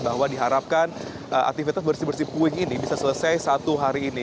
bahwa diharapkan aktivitas bersih bersih puing ini bisa selesai satu hari ini